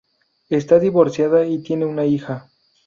Está divorciada y tiene una hija.